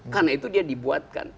karena itu dia dibuatkan